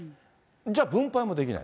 じゃあ、分配もできない。